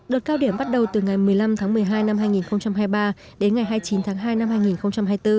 đợt cao điểm bắt đầu từ ngày một mươi năm tháng một mươi hai năm hai nghìn hai mươi ba đến ngày hai mươi chín tháng hai năm hai nghìn hai mươi bốn